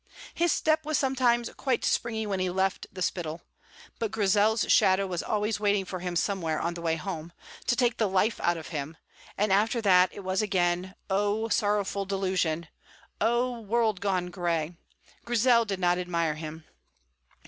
His step was sometimes quite springy when he left the Spittal; but Grizel's shadow was always waiting for him somewhere on the way home, to take the life out of him, and after that it was again, oh, sorrowful disillusion! oh, world gone gray! Grizel did not admire him.